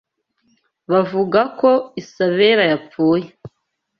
Bavuga ko Isabela yapfuye.